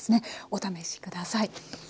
お試し下さい。